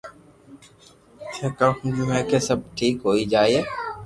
ٿي ڪاوُ ھمجيو ڪي سب ٺيڪ ھوئي جائي